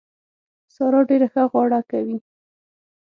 سارا ډېره ښه غاړه کوي.